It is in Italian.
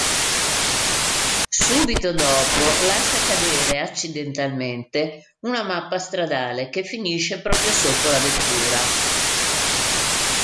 Subito dopo lascia cadere accidentalmente una mappa stradale, che finisce proprio sotto la vettura.